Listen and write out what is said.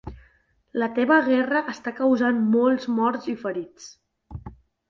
La teva guerra està causant molts morts i ferits.